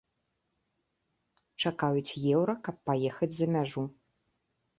Чакаюць еўра, каб паехаць за мяжу.